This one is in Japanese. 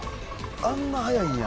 あんな速いんや。